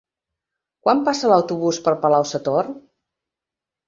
Quan passa l'autobús per Palau-sator?